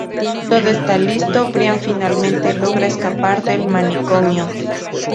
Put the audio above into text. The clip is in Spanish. Todo está listo: Brian finalmente logra escapar del manicomio.